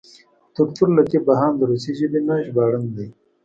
دوکتور لطیف بهاند د روسي ژبې نه ژباړن دی.